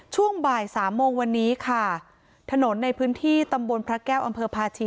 ช่วงบ่ายสามโมงวันนี้ค่ะถนนในพื้นที่ตำบลพระแก้วอำเภอพาชี